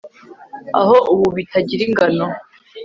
aho ubu bitagira ingano